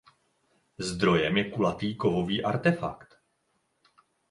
Zdrojem je kulatý kovový artefakt.